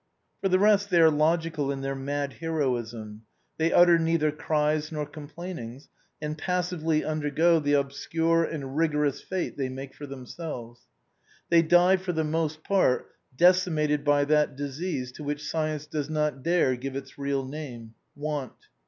For the rest, they are logical in their mad heroism, they XMVIU ORIGINAL PREFACE. utter neitlier cries nor complainings, and passively undergo the obscure and rigorous fate they make for themselves. They die for the most part, decimated by that disease to which science does not dare give its real name, want.